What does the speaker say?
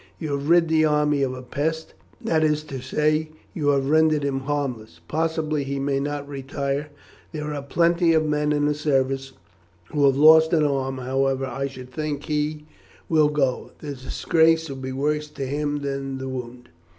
"You have rid the army of a pest; that is to say, you have rendered him harmless. Possibly he may not retire. There are plenty of men in the service who have lost an arm; however, I should think he will go. The disgrace will be worse to him than the wound."